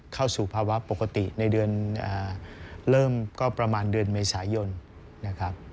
เข้าสู่ภาวะปกติในเดือนเริ่มก็ประมาณเดือนเมษายนนะครับ